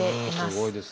すごいですね。